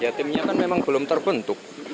ya timnya kan memang belum terbentuk